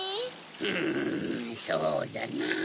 うんそうだなぁ。